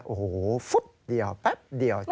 โอ้โหฟุ๊บเดียวแป๊บเดียว